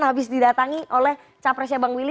terus habis didatangi oleh capresnya bang willy